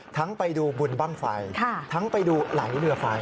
ไปดูบุญบ้างไฟทั้งไปดูไหลเรือไฟ